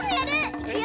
いくよ！